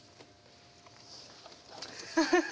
フフフフ！